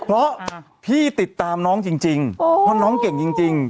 เพราะพี่ติดตามน้องจริงเพราะน้องเก่งจริง